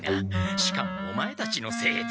しかもオマエたちのせいで。